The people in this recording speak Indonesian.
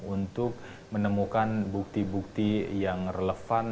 untuk menemukan bukti bukti yang relevan